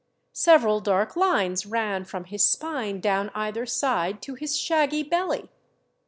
Several dark lines ran from his spine down either side to his shaggy belly.